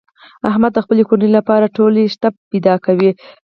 احمد د خپلې کورنۍ لپاره ټول شته فدا کوي.